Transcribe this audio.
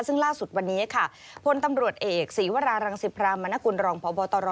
ซึ่งล่าสุดวันนี้ค่ะพลตำรวจเอกศีวรารังสิพรามณกุลรองพบตร